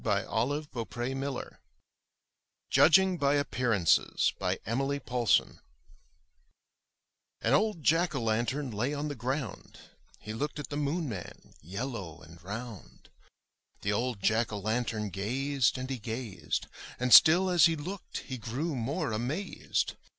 174 UP ONE PAIR OF STAIRS JUDGING BY APPEARANCES* Emilie Poulsson An old Jack o' lantern lay on the ground; He looked at the Moon man, yellow and round. The old Jack o' lantern gazed and he gazed, And still as he looked he grew more amazed.